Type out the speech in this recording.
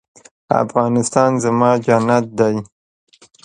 افغانستان زما جنت دی؟